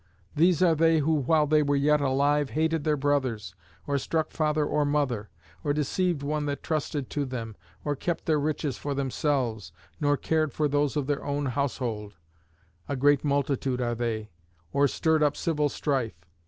These are they who while they were yet alive hated their brothers, or struck father or mother, or deceived one that trusted to them, or kept their riches for themselves, nor cared for those of their own household (a great multitude are they), or stirred up civil strife.